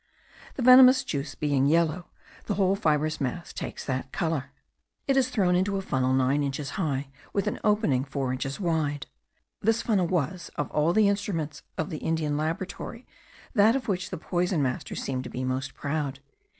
The venomous juice being yellow, the whole fibrous mass takes that colour. It is thrown into a funnel nine inches high, with an opening four inches wide. This funnel was of all the instruments of the Indian laboratory that of which the poison master seemed to be most proud.